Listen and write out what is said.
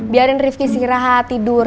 biarin rifki istirahat tidur